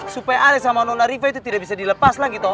supaya ale sama nona riva itu tidak bisa dilepas lah gitu